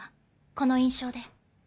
この印象で。